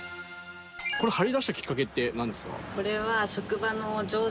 貼りだしたきっかけってなんですか？